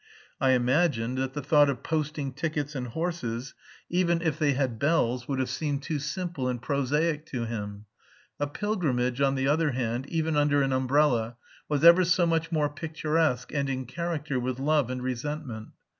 I imagined that the thought of posting tickets and horses (even if they had bells) would have seemed too simple and prosaic to him; a pilgrimage, on the other hand, even under an umbrella, was ever so much more picturesque and in character with love and resentment.